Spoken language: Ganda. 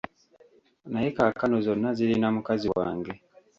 Naye kaakano zonna zirina mukazi wange.